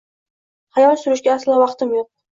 Xayol surishga aslo vaqtim yo‘q